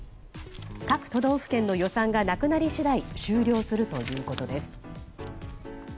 各都道府県の予算がなくなり次第終了するということです。